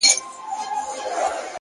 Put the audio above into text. پرمختګ د تکراري هڅو حاصل دی!